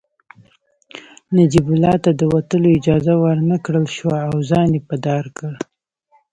نجیب الله ته د وتلو اجازه ورنکړل شوه او ځان يې په دار کړ